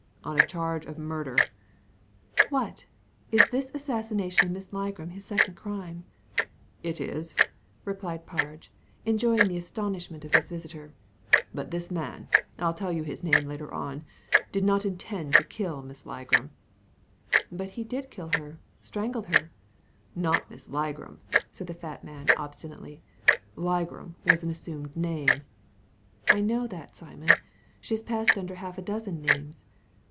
" On a charge of murder !" "What! Is this assassination of Miss Ligram his second crime ?" ••It is," replied Parge, enjoying the astonishment Digitized by Google A FRIEND IN NEED 51 of his visitor ;" but this man — I'll tell you hfa name later on— did not intend to kill Miss Ligram.'* "But he did kill her— strangled her I "*• Not Miss Ligram I " said the fat man, obstinately. " Ligram was an assumed name." '' I know that, Simon. She has passed under half a dozen names.''